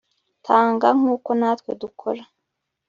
Tanga nkuko natwe dukora